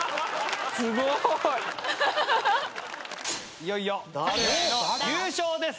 いよいよ今回の優勝です。